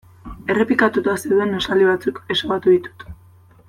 Errepikatuta zeuden esaldi batzuk ezabatu ditut.